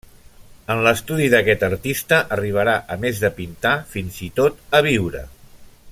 En l'estudi d'aquest artista arribarà -a més de pintar- fins i tot a viure.